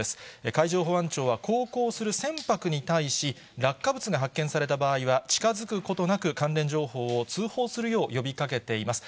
海上保安庁は航行する船舶に対し、落下物が発見された場合は、近づくことなく関連情報を通報するよう呼びかけています。